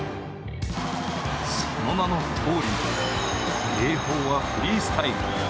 その名のとおり泳法はフリースタイル。